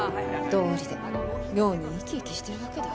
どうりで妙に生き生きしてるわけだ。